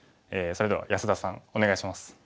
それでは安田さんお願いします。